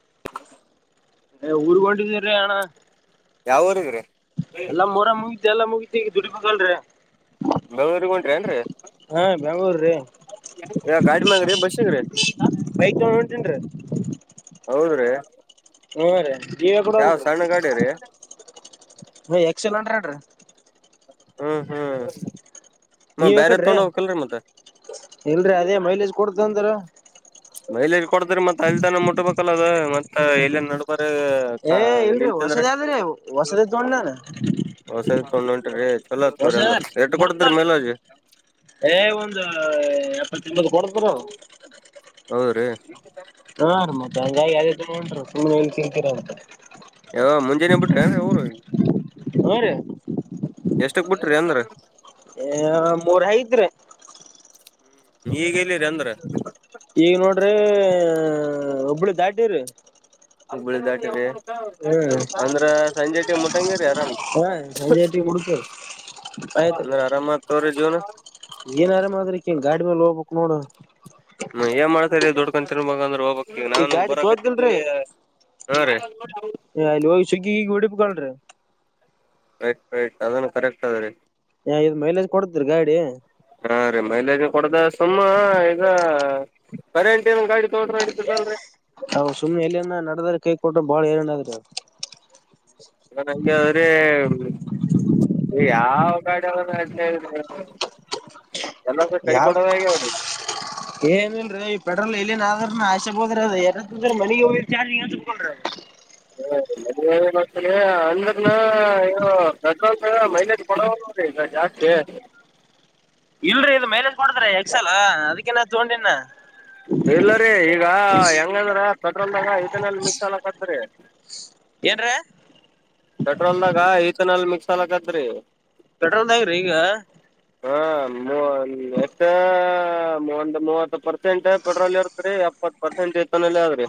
[inaudible] ಉರ್ಗೊಂಡಿಡಿ. ಹುರಯಾಣ. ಯಾವೂರಿಗ ರಿ. ಎಲ್ಲ ಮೂರ ಮು. ತೆ ಎಲ್ಲ ಮುಗತಿ ಈಗ ದುಡಿಬೇಕಲ್ರಿ. ಬೆಂಗಳೂರಿಗ್ ಹೊಂಟ್ರೇನ್ರಿ ಹಾ ಬೆಂಗ್ಳೂರ್ ರೀ ಯಾವ ಗಾಡಿ ಮ್ಯಾಗ್ರಿ ಬಸ್ಸಿಗ್ರಿ ಬೈಕ್ ತಗೊಂಡ ಒಂಟನ್ರಿ. [inaudible] ಹೌದ್ರೀ ಹೋ ರೀ ಯಾಕಡೆ ಯಾವ್ ಸಣ್ಣ ಗಾಡಿ ರೀ ಹ್ ಎಕ್ಸೆಲ್ ಹಂಡ್ರೆಡ್ ರೀ ಹ್ಮ್ ಹ್ಮ್ ಮ ನೀವ್ ಬ್ಯಾರೆ ಯಕಡ್ರಿ ತೊಗೊಂಡ್ ಹೋಗ್ಬೇಕಲ್ರಿ ಮತ್ತ ಎಲ್ರಿೀ ಅದೇ ಮೈಲೇಜ್ ಕೊಡತ ಅಂದ್ರ ಮೈಲ ಕೊಡ್ತ್ರ ಮತ್ೆ ಅಲ್ದಾನ ಮುಟ್ಟಬೇಕ ಮತ್ತೆ ಎಲ್ಲಿ ನಬ ಏ ಇಲ್ರಿ ಹೊಸದ್ ಆದದ್ರೀ ಹೊಸದ ತೊಂಡ ನನ್ ಒ್ಣೊಂಟ ರ ಹೊಸ ಬಡ ಬಲ್ರಿ ಏ ಒಂದು ತಿ ಬಡತರ [unintelligible] ಹೌದ್ರೀ ಹಾ ಮತ್ತೆ ಹಾಗಿ ಸುಮ್ನೆ ಸಿರ್ತೀರ ಅಂತ ಯ ಮುಂಜೆಾನೇ ಬಿಟ್ರೆ ಊರು ಹ್ಮ ರೀ ಎಷ್ಟಕ್ ಬಿಟ್ರಿ ಅಂದ್ರ ಹ ಮೋರ ಹತ್್ರ ಹ್ಮ್ ಈಗ ಇಲ್ಲಿರಿ ಅಂದ್ರ ಈಗ ನೋಡ್ರೆ ಹ ಒಬ್ಳು ದಾಟಿ್ರರಿ [inaudible] ಹಗ್ಬಳ ದಾಟೆ ಅಂದ್ರ ಸಂಜೆ ಮಟಂಗ ಹಾ ಶನಟಿಗೆ ಮುಡತ ಪಯತ್ ಅಂದ್ರ ಆರಾಮ್ ಆತವ್ರಿ ಜೀವನ ಎನರಾಮ್ಮ್ರಿಕ ಗಾಡಿ ಮೇಲೆ ಹೋಗ್ಬೇಕ್ ನೋಡ ಹ್ಮ್ ನ್ ಮಾಡ್ತ ದೊಡ್ [inaudible] ಈಗ ಈ ನಾನು ಗಾಡಿ ಬರ ಕತ್ತಿದ್ದೇವಿ ಹಾ ರೀ ಲ್ಲಿ ಸುಗ್ ಈಗ ಗಡಿಪ ಕಳ್ರಿ ರೈಟ್ ರೈಟ್ ಅದನ್ನು ಕರೆಕ್ಟ್ ಅದ ರೀ ಹ ಇದು ಮೈಲೇಜ್ ಕೊಡತರಿ ಗಾಡಿ ಹಾ ರೀ ಮೈಲೇಜ್ ಕೊಡದ ಸುಮ್ಮ ಈಗ ಬರಿಂಟಮ ಗಾಡಿ ತೊಗೊಂಡ್ರ ಇತದಲ್ರಿ ಅವ್ ಸುಮ್ನೆ ಎಲ್ಲಿನ ನಡೆದಾರ ಕೈ ಕೊಟ್ಟು ಬಾಳ ಏರನಾದ್ರ ಅವರು ನನ್ಂಗಗೆ್ರೆ ಹ್ಮ ಯಾವ ಕಡರು ಯಾವ ಏನಲ್ರಿ ಪ ಲ್ಲ ಇಲ್ಲ ನ್ರ ಆಶೆಬೋದ್ರ ಯಾರ ಮಳ ಹೋಗಕೊಂಡ್ರ ಅಂದ್ರನ ಪೆಟ್ರೋಲ್ ಮೈಲೇಜ್ ಕೊಡ ಈ ಜಾಸ್ತಿ ಇಲ್ರರಿ ಇದು ಮೈಲೇಜ್ ಕೊಡದ್ರಿ ಎಕ್ಸಾಲ ಅದಕ್ಕೇನ ತಗೊಂಡಿನ ಇಲ್ಲರಿೀ ಈಗ ಹೆಂಗಂದ್ರ ಕದ್ರಂದಾಗ ಇದನಲ್ಲಿ ಮಿಕ್ಸ್ ಎಲ್ಲಕತ್ರಿ ಏನ್ರೀ ಪೆಟ್ರೋಲ್ ನ ಕ ಈತನಲ್ ಮಿಕ್ಸ್ಲಕಾದ್ರಿ ಪೆಟ್ರೋದಐ್ರಿ ಈಗ ಹಾ ಮ ಎತ್ತ ಮಂತ ಮತ್ತ ಪ ಪರ್ಸೆಂಟ್ ಪೆಟ್ರೋಲ್ ಇರ್ತ್ರಿ ಎಪ್ಪತ್ ಪರ್ಸೆಂಟ್ ಐತನಲ್ಲ ಆ್ರಿ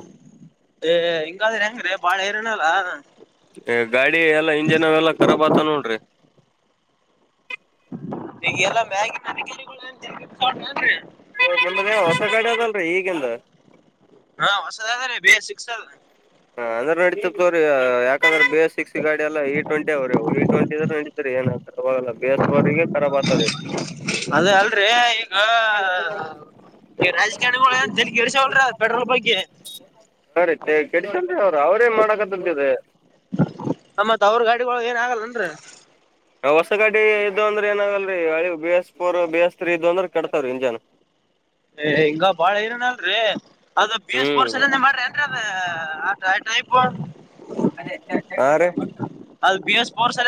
ಹಿಂಗಾದ್ರೆ ಹೆಂಗ್ರೀ ಬಾಳ ಏರಿನಲ್ಲ ಗಾಡಿ ಎಲ್ಲಾ ಇಂಜಿನ್ ಅವೆಲ್ಲಾ ಕರಾಬ್ ಆತ ನೋಡ್ರಿ ಈಗ ಎಲ್ಲಾ ಮ್ಯಾಗಿ ನ ಗಿ ನಿದ ಹೊಸ ಕಡೆ ಅದಲ್ರರಿ ಈಗಿಂದ ಹಾ ಹೊಸದ ಅದ ರೀ ಬೇ ಸಿಕ್ಸ ಹಾ ಅಂದ್ರೆ ನಡೀಿತ ತೋ್ರ ಯಾಕಂದ್ರೆ ಬೇಸ್ ಸಿಕ್ಸ್ ಗಾಡಿ ಎಲ್ಲ ಇ ಟ್ವೆಂಟಿ ಅವ್ರವು ಇ ಟ್ವೆಂಟ ಇದ್ರ ಅ್ರ ಏನಾರೆೋಗಲ್ಲ ಬೇಸ್ವರಿಗೆ ಅದ ಅಲ್ರಿ ಈಗ ಈ ರಾಜಕಾರಣಿಳ ಜನ ಇರ್ಸವಲ್ರಿೀ ಅ ಪೆಟ್ರೋಲ್ ಬೈಗೆ ಕೆಡಂದ ಅವ್ರ ಅವ್ರೇನ್ ಮಾಡಕಂತಂತದೆ ಆಗಲ್ಲನ್ರರಿ ಹೊಸ ಗಾಡಿ ಇದ್ದ ಅಂದ್ರೆ ಏನಾಗಲ್ರಿ ಅಳಿ B S four B S three ಇದ ಅಂದ್ರೆ ಕೆಟ್ತಾವ್ರೀ ಇಂಜಾನ್ ಏ ಹಿಂಗ ಬಾಳ ಏನನ ಅಲ್ರರಿ ಅದ ಬಿ ಎಸ್ ಬೋರ್ಸ ಹ್ಮ್ ಎಲ್ಲನ ಮಾಡ್ರಿ ನ್ರರಿ ಅದ ಹಾ ಾಯ ಾಯ ಪ ಹಾ ರ ಅದು ಬಿ ಎಸ್ಫೋರ್ ಸ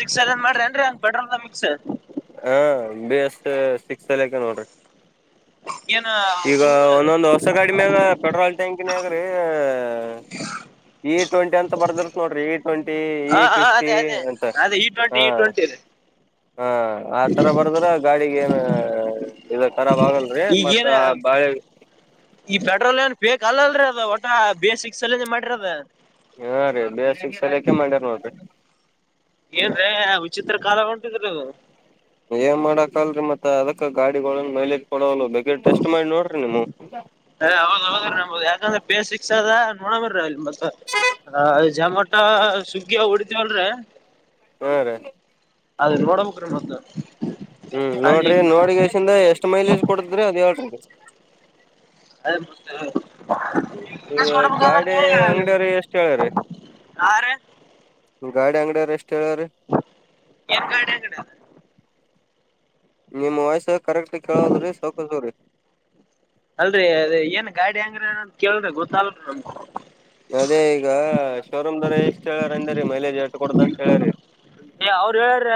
ಸಿಕ್ಸ್ ಸನ್ ಮಾಡಿಏನ್ರಿಟ್ರ ಮಿಕ್ಸ್ ಹ ಬಿ ಎಸ್ ಸಿಕ್ಸ್ ಅಲ್ಲಕ ನೋಡ್ರಿ ಏನ ಈಗ ಸುಮ್ ಒಂದೊಂದು್ ಹೊಸ ಗಾಡಿ ಮೇಾಲ ಪೆಟ್ರೋಲ್ ಟ್ಯಾಂಕಿನಗ್ರಿ ಈ ಟ್ವೆಂಟ ಅಂತ ಬರ್ದ್ರ ನೋಡ್ರಿ ಟ್ವೆಂಟಿ ಇ ಹಾ ಫಿಫ್ಟಿ ಅದೇ ಅದೇ ಅಂತ ಅದೇ ಇ ಟ್ವೆಂಟಿ ಇ ಟ್ವೆಂಟಿ ಅ ಆ ತರ ಬರ್ದ್ರ ಗಾಡಿ ಗ ಏನು ಇದು ರಾಬ್ ಆಗಲ್ರಿ ಮತ್ತ ಈಗೇನ ಬಾಳೆ ಬೇಕ ಅಲ್ಲಲ್ರರಿ ಅದ ಒಟ ಬೇಸಿಕ್ಸ್ ಎಲ್ಲಿ ಮಾಡ್ರರಿ ಅದ ಹಾ ರೀ ಬೇಶಕ ಸರಿಯಾಕೆ ಮಾಡ್ಯಾರ ನೋಡ್ರಿ ಅ. ಏನ್ರೇ ವಿಚಿತ್ರ ಕಾಲ ಹೊಂಟದ್ರಲ್ಲ ಇದು. ಏನ್ ಮಾಡಕಲ್ರರಿ ಮತ್ತ ಅದಕ್ಕ ಗಾಡಿಗಳ ಮೈಲೇಜ್ ಕೊಡುವಲ್ವ ಬೇಕ್. ಹ ಅವಾಗಾವಾಗ ನಬದು ಯಾಕಂದ್ರ ಬೇಸಿಗೆ. ಅದ ನೋಡಬರ ಅಲ್ಲಿ ಮತ್ತ ಜೊಮಟೊ ಸ್ವಿಗ್ಗಿ ಹೊಡಿತವಲ್ರೀ. ಹ ರೀ. ಅದ ನೋಡ್ಬಕ್ರಿ ಮತ್ತ. ಹ್ಮ್ ಅಲ್ಲಿ ನೋಡ್ರಿ ನೋಡಿಗೆಶಿಂದ ಎಷ್ಟ್ ಮೈಲೇಜ್ ಕೊಡ್ತದ ಅದ ಹೇಳ್ರಿ. [inaudible] ಅದೇತ [inaudible] ಈ ಗಾಡಿ ಅಂಗಡಿಯರ ಎಷ್ಟ ಹೇಳಿರಿ. ಗಾಡಿ ಅಂಗಡೆ ರೆಸ್ಟ್. ಏನ್ ಕಡ ಕಡೆ [inaudible] ನಿಮ್ಮ ವಾಯ್ಸ್ ಕರೆಕ್ಟ್ ಕೆಳವಲ್ದ ರಿ ಸೌಕಸೋಗ್ರಿ. ಅಲ್ರರಿ ಅದ ಏನ್ ಗಾಡಿ ಹೆಂಗ್ರಿ ಅದ ಅಂತ ಕೇಳ್ರಿ ಗೊತ್ತಲ್ರರಿ ನಮ್. ಅದೇ ಈಗ ಶೋರೂಮ್ ದವರ ಇಷ್ಟ್ ಹೇಳಾರ ಅಂದರಿ ಮೈಲೇಜ್ ಎಟ ಕೊಡುದ ಅಂತ ಹೇಳರಿ. ಏ ಅವ್ರ ಹೇಳ್ಯಾರಿ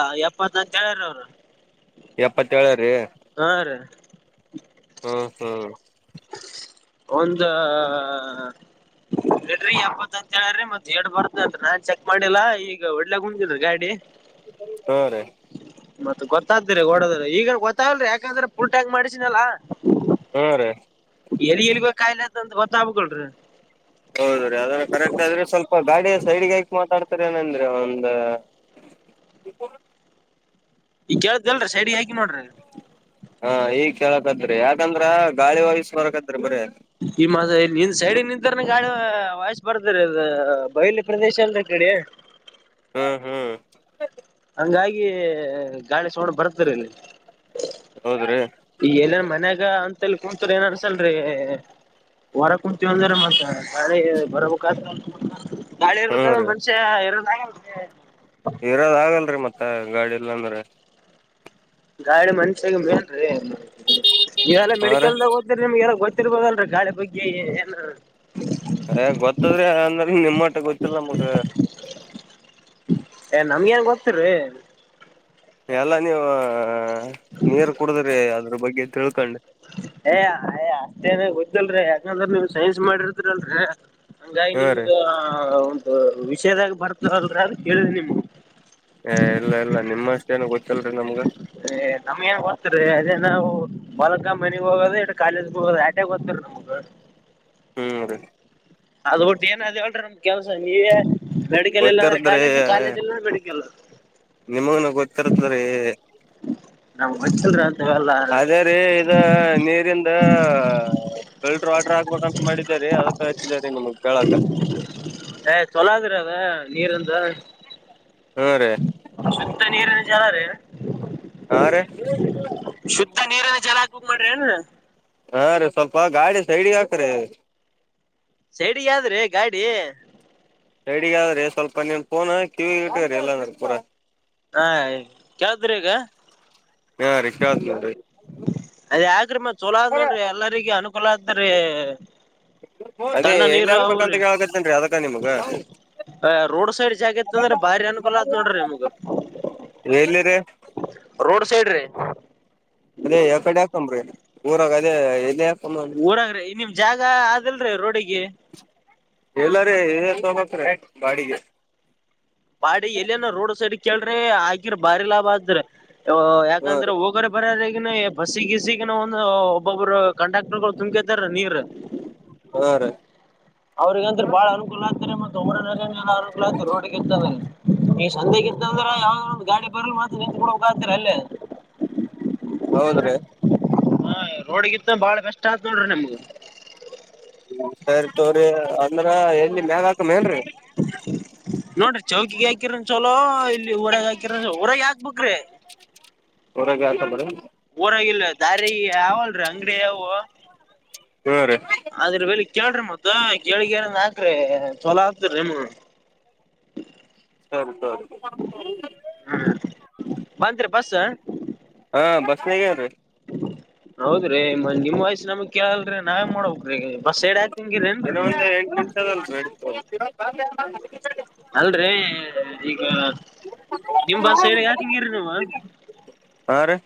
ಆ ಎಪ್ಪತ್ಂತ ಹೇಳ್ಯಾರಿ ಅವರು. ಎಪ್ಪತ್ತೆಳ್ಯಾರಿ. [inaudible] ಹ್ಮ ಹ್ಮ. ಒಂದ್ ಲೀಟ್ರಿಗ ಎಪ್ಪತ್ತಂತಳ್ಯಾರಿ ಮತ್ ಎಟ ಬರ್ತತ್ ನಾ. ಚೆಕ್ ಮಾಡಿಲ್ಲ ಈಗ ವಡಿಲಾಕ ಕುಂಟಿನ ರಿ ಗಾಡಿ. ಹಾ ರೀ ಮತ್ತ ಗೊತ್ತಾಗ್ದಿರ ಓಡೋದ್ರ ಈಗ ಗೊತ್ತಾಗಲ್ರಿ ಯಾಕಂದ್ರ ಫುಲಟ್ಯಾಂಕ್ ಮಾಡಿಸಿನಲ್ಲಾ. ಹ ರೀ. ಎಲ್ಲಿ ಇಲ್ಬೇಕ ಕಾಯಲ ಅದ ಒಂದ ಗೊತ್ತಾಬಕಲ್ಿ [inaudible] ಹೌದ್ರೀ ಅದಲ್ಲ ಕರೆಕ್ಟ್ ಆದ್ರೆ ಸ್ವಲ್ಪ ಗಾಡಿ ಸೈಡ್ಗಿ ಹಾಕಿ ಮಾತಾಡ್ತರಿ ಏನಂದ್ರಿ ಒಂದ್. ಈ ಕೆಳತದಲ್ರಿ ಸೈಡ್ಗಿ ಹಾಕಿ ನೋಡ್ರಿ. ಹಾ ಈಗ್ ಕೇಳಾಕತ್ರಿ ಯಾಕಂದ್ರ ಗಾಳಿ ವಯಿಸ ಬರಕತ್ರಿ ಬರ. ಈ ಮಾಸ ನಿಂದ ಸೈಡ ನಿಂತಾರನ ಗಾಳಿ ವಯಸ್ ಬರ್ತರಿ ಅದ ಬಯಲಿ ಪ್ರದೇಶ ಅಲ್ರ ಕಡೆ [inaudible] ಹ್ಮ್ ಹ್ಮ್. ಹಂಗಾಗಿ ಗಾಳಿ ಸೌಂಡ್ ಬರತ್ತರಿ ಇಲ್ಲಿ. ಹೌದ್ರೀ. ಈ ಎಲ್ಲನ್ ಮನ್ಯಾಗ ಅಂತಲ್ಲಿ ಕುಂತ್ರ ಏನ್ ಅನ್ಸಲ್ರರಿ ಹೊರ ಕುಂತೀವ ಅಂದ್ರ ಮತ್ತ ಗಾಳಿ ಬರಬೆಕಾಯ್ತದ. ಗಾಳಿ ಹ್ಮ ಇರ್ಲಿಕಂದ್ರಾ ರೀ ಮನುಷ್ಯ ಇರ್ಲ. ಹಾ [inaudible] ಹ ಗಾಡಿ ಇಲ್ಲ ಅಂದ್ರ. ಗಾಡಿ ಮನುಷ್ಯಾಗ ಮೆನ್ರಿ. ಏಲ್ಲ ಹಾ ರೀ ಮೆಡಿಕಲ್ದಾಗ ಒದ್ರಿ ನಿಮಗೆಲ್ಲ ಗೊತ್ತ. ರ್ಬೋದಲ್ರರಿ ಗಾಳಿ ಬಗ್ಗೆ ಏನ. ಹ ಗೊತ್ತದ್ರೆ ಅಂದ್ರ. ನಿಮ್ಮಟ ಗೊತ್ತಲ್ಲ ಮಗ ಏ ನಮ್ಗ ನ್ ಗೊತ್ತರಿ ಎಲ್ಲ ನೀವು ನೀರ್ ಕುಡದ್ರಿ ಅದ ಅ್ರ ಬಗ್ಗೆ ತಿಳ್ಕೊಂಡು ಏ ಅಯ ಅಷ್ಟೇನ ಗೊತ್ತಲ್ರಿ ಯಾಕಂದ್ರ ನೀವ್ ಸೈನ್ಸ್ ಮಾಡಿರ್ತಿರಿಲ್ರರಿ ಹಂಗಾಗಿ ಹಾ ರೀ ನಿಮ್ದ ವಿಷೇದಾಗ ಬರ್ತ ಹದ್ರ ಅ ಕೇಳಿದ ನಿಮಗೆ ಹ ಎಲ್ಲ ಇಲ್ಲ ನಿಮ್ಮಷ್ಟ ಅೇನ ಗೊತ್ತಲ್ರಿ ನಮ್ಗ ಅ ನಮ್ಗ ನ್ ಓ್ತರಿೀ ಅದೇ ನಾವು ಬಾಲಗ ಮನೆಗ್ ಹೋಗೋದ ಇ ಕಾಲೇಜ್ಗೆ ಹೋಗೋದ ಆಟ್ಯಾಗ ್ತರಿ ನಮಗ ಹ್ಮ್ ಅದೇ ಅದ್ಬಟ್ಟು ಏನಾದ್ ಹೇಳ್ರಿ ಒಮ್ದ್ ಕೆಲ್ಸ ನೀವೇ ಮೆಡಿಕಲ್ ಇಲ್ಲ ಅಂದ್ರೆ ಗೊತ್ತಿರದ್ರೆ ಕಾಲೇಜ್ ಕಾಲೇಜ್ ಇಲ್ಲ ಮೆಡಿಕಲ್ ನಿಮಗನು ಗೊತ್ತಿರದ್ರಿ ನಾವು ಹಚ್ಚಲ್ರ ಅದೇ ರೀ ಇದ ನೀರಿಂದ ಫಿಲ್ಟರ್ ವಾಟರ್ ಹಾಕ್ಬೇಕಂತ ಮಾಡಿದರಿ ಅದಕ್ಕ ಹಚ್ಚಿದ ರೀ ನಿಮಗ್ ಕೇಳಕ ನೀರ್ಂದ ಹಾ ರೀ ನೀರ ಜರ ರ ಹಾ ರೀ ಶುದ್ಧ ನೀರನ ಜಲಕ ಮಾಡ ಹ್ಮ್ಮ್. ಹಾ ರೀ ಸ್ವಲ್ಪ ಗಾಡಿ ಸೈಡ್ಿಗೆಾಕ್ರೀ ಸೆಡಿಗಾದ್ರಿ ಗಾಡಿ ರೆಡಿಗ ಆದ್ರಿ ಸ್ವಲ್ಪ ನೀನ್ ಫೋನ್ ಕಿವಿ ಇಟ್ಟ್ರಿ ಎಲ್ಲಂದ ಪೂರ ಹಾ ಯಾವ್ದ್ರ ಈಗ ಹ ಅದ ಯಾಕ್ರೆಮ್ಮ ಚಲೋ ನೋಡ್ರಿ ಎಲ್ಲರಿಗ ಅನುಕ ಲಾದ್ರ ಅದೇ ಎಲ್ಲಿ ಹಾಕ್ಬೇಕಂತ ಕಕತ್ತೇನ್ೀ ಅದಕ್ಕ ನಿಮಗ ರೋಡ್ ಸೈಡ್ ಜಾಗ ಇತ್ತ ಅಂದ್ರ ಬಾರಿ ಅನುಕೂಲ ಆದ್ ನೋಡ್ರಿ ನಿಮ್ಗ ಎಲ್ಲಿರಿೀ ರೋಡ್ ಸೈಡ್ ರ ಅದೇ ಯಾವ ಕಡೆ ಆಾಕನ್್ರಿ ಊರಾಗ ಅದೇ ಎಲ್ಲ ಊರಂಗ್ರೆ ನಿಮ್ ಜಾಗ ಅದಲ್ರಿೀ ರೋಡಿಿಗೆ ಎಲ್ಲಾರ ತೋಗತ ಗಾಡಿಗೆ ಪಾಡಿ ಎಲ್ಲನ ರೋಡ್ ಸೈಡ್ ಕೇೇಳ್ರಿ ಆಗಿರ ಬಾರಿ ಲಾಭ ಆದ್ರ ಹಾ ಯಾಕಂದ್ರೆ ರೀ ಹೋಗ ಬರ್ರ ಈ ಬಸ್ಸಿಗಸಗ ಒಂದು ಒಬ್ಬೊಬ್ರು ಕಂಡಾಕ್ಟರ್ಗಳು ತುಂಬಕತಾರ ನೀರ್ ಹಾ ರೀ ಅವ್ರಗಂದ್ರೆ ಬಾಳ ಅನುಕೂಲ ಆಗ್ತಾರೆ ಮ ದೌಡ [unintelligible] ಈ ಸಂದೆಗ ಇಂತಂದ್ರ ಯಾವದ ಒಂದು ಗಾಡಿ ಬರ ಮಾತ್ರ ನೆಂಂತ ಕೂಡ ಹೋಗ ಆತರ ಅಲ್ಲೇ ಹೌದ್ರೀ ಹಾ ರೋಡ್ಗಿತ್ ಬಾಳ ಬೆಸ್ಟ್ ಆದತ್ ನೋಡ್ರಿ ನಿಮಗು ಹ್ಮ ಸರಿ ತೋ್ರಿ ಅಂದ್ರ ಎಲ್ಲಿ ಮ್ಯಾಗ ಹಾಕಮೇನ್ರಿ ನೋಡ್ರಿ ಚೌಕಿಗೆ ಹಾಕಿರನ್ ಚಲೋ ಇಲ್ಲಿ ಊರಾಗ ಹಾಕಿರ ಊರಾಗ ಹಾಕ್ಬಕ್್ರಿ ಹೊರಗೆ ಆತ ಬಿಡ ಊರಾಗಿಲ್ ದಾರಿ ಯಾವಲ್ ಅಂಗಡಿ ಯಾವ ಹೇ್ರೀ ಆದ್ರ ವಳಿ ಕೇಳ್ರಿ ಮತ್ತ ಕೇಳಗಾರನ್ ಹಾಕ್ರಿ ಚಲ ಆತರಿ ನಿಮ ಸರಿ ಸರಿ ಹ ಬಂದರಿೀ ಬಸ್ಸ ಹೇಗ್ರೀ ಹೌದ್ರಿ ನಿಮ್ಮ ವಯಸ್ಸ ನಮಗ್ ಕೇಳಲ್ರಿೀ ನಾವೇ ಮಾಡಬೇಕಕ್ ರೀ ಬಸ್ ಸಡ್ಾಕ್ ನ ಒಂದಂದು ಎಂಟು ನಿರ್ಷದಲ್ ಬಿಡ್ತ ಹ ಅಲ್ರೀ ಈಗ ನಿಮ್ ಬಸ್ ಸೈಡ್ಗೆ ಹಾಕಂಗಿಿ ನೀವು ಹಾ ರೀ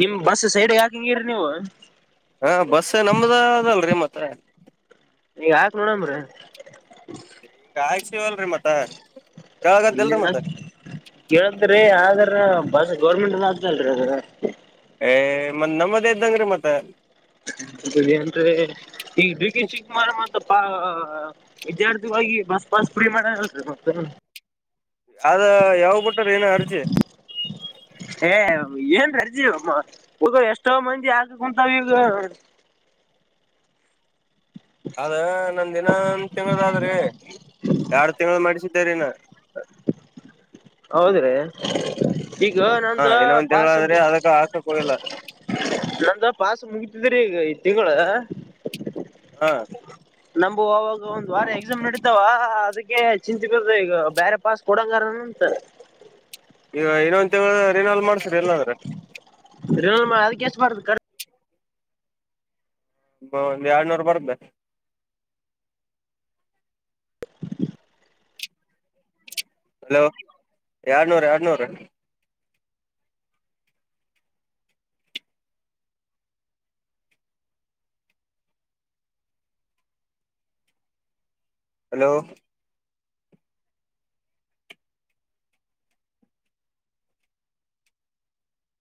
ನಿಮ್ ಬಸ್ ಸೈಡ್ಗೆ ಹಾಕ ಹ ಹಿಂಗಿರಿ ನೀವು ಹಾ ಬಸ್ ನಮ್ದ ಅದಲ್ರಿ ಮತ್ರ ಈಗ ಹಾಕ್ ನೋಡಂಬ್ರ ಈಗ ಆಯಸವಲ್ರರಿ ಮತ್ತ ಏ ಕೇಳಗದಲ್ರಿ ಮತ್ತ ಹೇಳಂತ್ರರಿ ಯ ಅದ ಬಸ್ ಗೌರ್ಮೆಂಟ್ ಅ ಆತಲ್ರಿ ಅದ ಮ್ ನಮ್ಮದೇ ಇದ್ದಂಗ್ರೀ ಮತ್ತೆ ಅಂದ್ರೆ ಈಗ ಗ ಚಿಕ್ಕ ಮಾರ ಮಪ್ಪಾ ವಿದ್ಯಾರ್ಥಿಾಗಿ ಬಸ್ ಪಾಸ್ ಫ್ರೀ ಮಾಡ ಮತ್ತ ಆದ ಯಾವಾಗ ಬಿಟ್ಟ್ರ ಏನ ಅರ್ಜಿ ಏನ್ ರರ್ಜಿ ಹಗ ಎಷ್ಟೋ ಮಂದಿ ಹಾಕ ಕುಂತಾವ ಈಗ ಅದ ನಂದ ದಿನ ಒಂದ್ ತಿಂಗಳದ ಆದ್ರಿ ಎರಡ್ ತಿಂಗಳ ಮಾಡಿಸಿದ್ದೇರಿನ ಹೌದಿ್ರೀ ಈಗ ಹಾ ನಂದ ಇನ್ನ ಒಂದ್ ತಿಂಗಳ ಪಾಸಂಬ ಆದ್ರಿ ಅದಕ್ಕ ಹಾಕಕ್ ಹೋಗಿಲ್ಲ ನಂದ ಪಾಸ ಮುಗಿತಿದರಿೀ ಈಗ ಇ ತಿಗ ಹಾ ನಮು ಅವಾಗ ಒಂದ್ ವಾರ ಎಕ್ಸಾಮ್ ನಡೀತಾವ ಅದಕ್ಕೆ ಚಿಂತಿ ಬರ್ದ ಈಗ ಬೇರೆ ಪಾಸ್ ಕೊಡಂಗರಂತ ಈಗ ಏನ ಒಂತ ಏನಲ್ ಮಾಡ್ಸಿಡಿ ಎಲ್ಲಾದ್ರೆ ಅದಕ್ಕೆ ಎಷ್ಟು ಬಾರದು ಕ ಒಂದ್ ಎಡ್ನೂರು ಬರ್್ದ ಹಲೋ ಎಡ್ನೂರ ಎಡ್ನೂರ ಹಲೋ